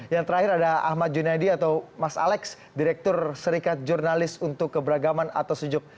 yang terakhir ada ahmad junaidi atau mas alex direktur serikat jurnalis untuk keberagaman atau sejuk